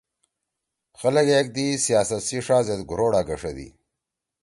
خلگ ایگدئی سیاست سی ݜا زید گھوروڑا گݜَدی۔